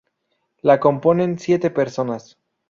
La componen siete personas.